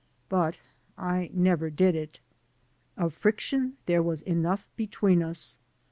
But I never did it. Of friction there was enough between us.